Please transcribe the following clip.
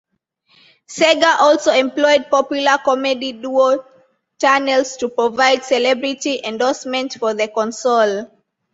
Sega also employed popular comedy duo Tunnels to provide celebrity endorsement for the console.